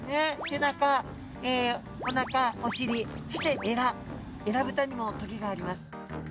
背中おなかおしりそしてえらえらぶたにもトゲがあります。